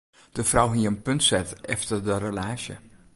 De frou hie in punt set efter de relaasje.